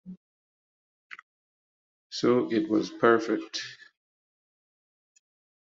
So it was perfect.